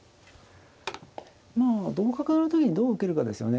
まあ同角成の時にどう受けるかですよね。